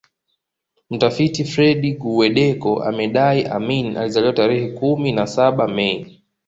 Mtafiti Fred Guweddeko amedai Amin alizaliwa tarehe kumi na saba Mei